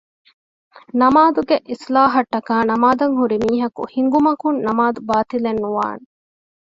ނަމާދުގެއިޞްލާޙަށްޓަކައި ނަމާދަށްހުރިމީހަކު ހިނގުމަކުން ނަމާދު ބާޠިލެއް ނުވާނެ